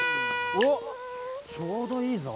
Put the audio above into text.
おっちょうどいいぞ。